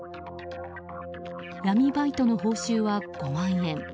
闇バイトの報酬は、５万円。